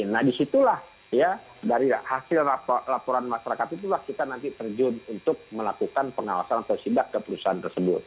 nah di situlah ya dari hasil laporan masyarakat itu pasti kan nanti terjun untuk melakukan pengawasan persidak ke perusahaan tersebut